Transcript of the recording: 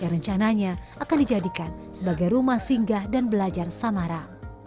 rencananya akan dijadikan sebagai rumah singgah dan belajar samara